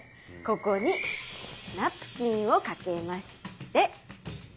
ここにナプキンを掛けまして。